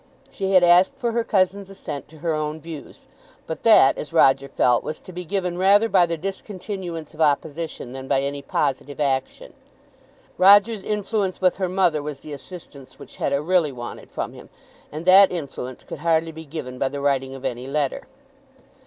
She had asked for her cousin's assent to her own views, but that, as Roger felt, was to be given rather by the discontinuance of opposition than by any positive action. Roger's influence with her mother was the assistance which Hetta really wanted from him, and that influence could hardly be given by the writing of any letter.